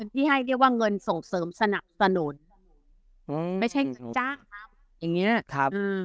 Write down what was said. ที่ให้เรียกว่าเงินส่งเสริมสนับสนุนอืมไม่ใช่เงินจ้างทำอย่างเงี้ยครับอืม